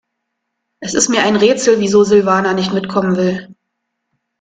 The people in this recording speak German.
Es ist mir ein Rätsel, wieso Silvana nicht mitkommen will.